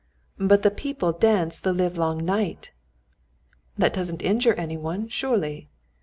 "But the people dance the livelong night." "That doesn't injure any one, surely?"